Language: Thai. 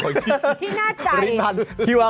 ที่หน้าจ่าย